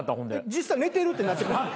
実際寝てるってなって。